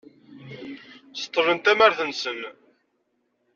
Seṭṭlen tamart-nsen.